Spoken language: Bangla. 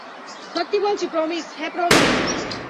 সত্যি বলছি, প্রমিস, হ্যাঁ প্রমিস!